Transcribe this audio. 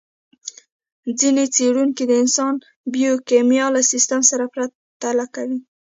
ځينې څېړونکي د انسان بیوکیمیا له سیستم سره پرتله کوي.